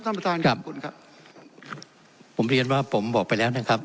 ท่านประธานครับขอบคุณครับผมเรียนว่าผมบอกไปแล้วนะครับ